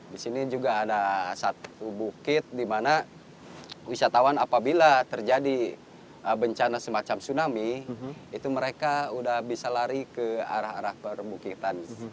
di sini juga ada satu bukit di mana wisatawan apabila terjadi bencana semacam tsunami itu mereka sudah bisa lari ke arah arah perbukitan